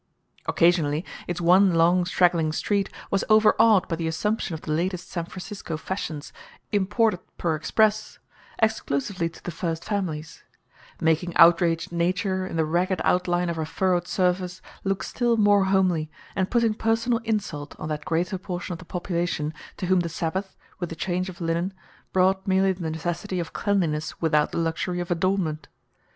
Occasionally its one long straggling street was overawed by the assumption of the latest San Francisco fashions, imported per express, exclusively to the first families; making outraged Nature, in the ragged outline of her furrowed surface, look still more homely, and putting personal insult on that greater portion of the population to whom the Sabbath, with a change of linen, brought merely the necessity of cleanliness without the luxury of adornment.